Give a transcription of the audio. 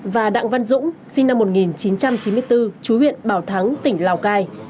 và đặng văn dũng sinh năm một nghìn chín trăm chín mươi bốn chú huyện bảo thắng tỉnh lào cai